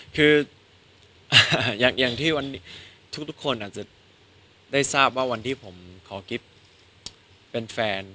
คืออย่างที่วันนี้ทุกคนอาจจะได้ทราบว่าวันที่ผมขอกิฟต์เป็นแฟน